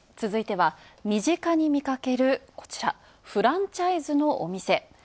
続いては、身近に見かけるフランチャイズのお店。